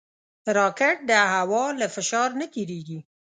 راکټ د هوا له فشار نه تېریږي